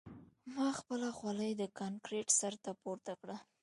ما خپله خولۍ د کانکریټ سر ته پورته کړه